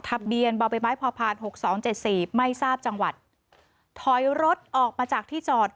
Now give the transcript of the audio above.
ทะเบียนบ่อใบไม้พอผ่านหกสองเจ็ดสี่ไม่ทราบจังหวัดถอยรถออกมาจากที่จอด